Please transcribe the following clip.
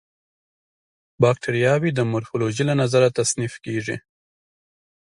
باکټریاوې د مورفولوژي له نظره تصنیف کیږي.